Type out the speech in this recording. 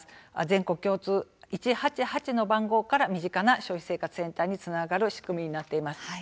全国共通１８８の番号から身近な消費生活センターにつながる仕組みになっています。